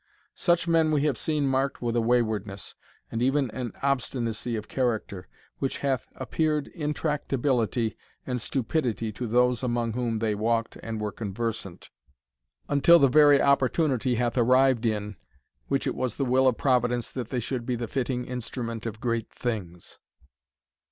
Such men we have seen marked with a waywardness, and even an obstinacy of character, which hath appeared intractability and stupidity to those among whom they walked and were conversant, until the very opportunity hath arrived in, which it was the will of Providence that they should be the fitting instrument of great things."